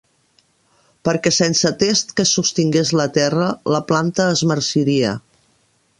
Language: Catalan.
Perquè sense test que sostingués la terra, la planta es marciria